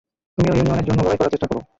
তুমিও ইউনিয়নের জন্য লড়াই করার চেষ্টা করো।